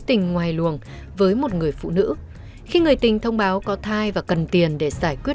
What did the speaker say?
tình ngoài luồng với một người phụ nữ khi người tình thông báo có thai và cần tiền để giải quyết